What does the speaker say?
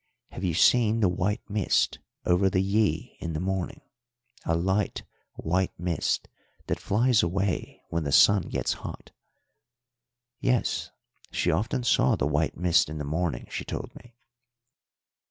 "Have you seen the white mist over the Yí in the morning a light, white mist that flies away when the sun gets hot?" Yes, she often saw the white mist in the morning, she told me.